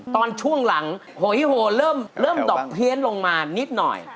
ตอนช่วงหลังหอยโหเริ่มดอกเพี้ยนลงมานิดหน่อย